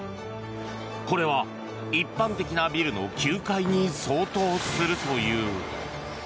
これは一般的なビルの９階に相当するという。